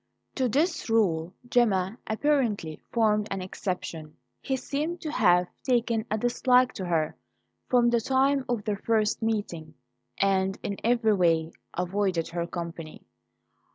To this rule Gemma, apparently, formed an exception; he seemed to have taken a dislike to her from the time of their first meeting, and in every way avoided her company.